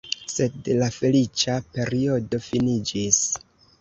Sed la feliĉa periodo finiĝis.